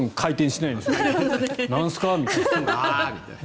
なんすかみたいな。